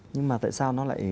nhưng mà tại sao nó lại